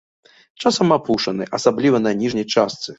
Часам апушаны, асабліва на ніжняй частцы.